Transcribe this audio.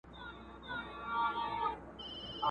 تا ته به ډلي په موسکا د سهیلیو راځي!!